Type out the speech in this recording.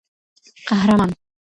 قهرمان